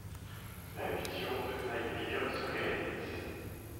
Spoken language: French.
La vision de Fyveer se réalise.